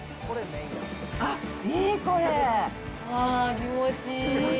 あー、気持ちいい。